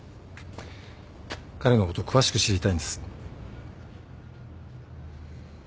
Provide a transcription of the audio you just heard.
彼のこと詳しく知りたいんです。